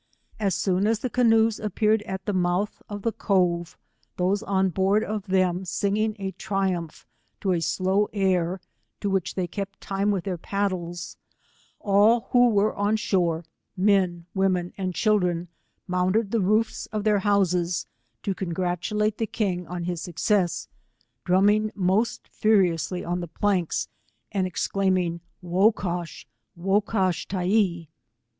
As soon as the canoes appeared at the month of the Cove, those on board of them singing a triumph to a slow air, to which they kept time with their paddles, all who were on shore, men, women and children, mounted the roofs of their houses, to congratulate the king on his suc cess, drumming most furiously on the planks, and exclaimiag IVocash — wocash Tyee.